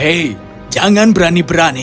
hei jangan berani berani